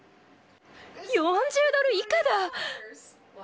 ４０ドル以下だ！